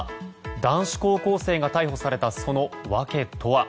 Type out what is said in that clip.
男子高校生が逮捕されたその訳とは。